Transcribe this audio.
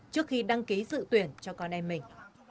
trước khi đăng ký dự tuyển cho con em mình